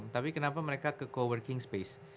tapi kenapa mereka ke coworking space